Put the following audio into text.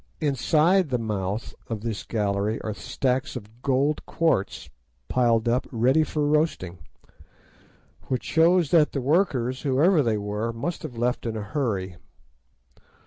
Inside the mouth of this gallery are stacks of gold quartz piled up ready for roasting, which shows that the workers, whoever they were, must have left in a hurry.